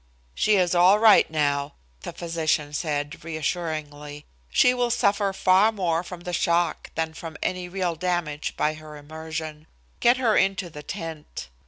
"She is all right now," the physician said, reassuringly. "She will suffer far more from the shock than from any real damage by her immersion. Get her into the tent."